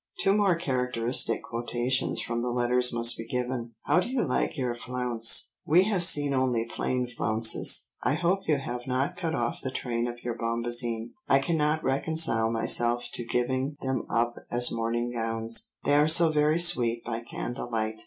Two more characteristic quotations from the letters must be given— "How do you like your flounce? We have seen only plain flounces. I hope you have not cut off the train of your bombazine. I cannot reconcile myself to giving them up as morning gowns; they are so very sweet by candlelight.